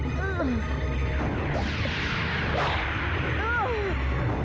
jangan berdiri juma